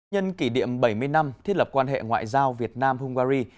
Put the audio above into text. nhân kỷ niệm bảy mươi năm thiết lập quan hệ ngoại giao việt nam hungary